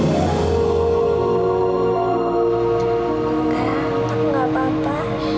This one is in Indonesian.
tidak aku nama napa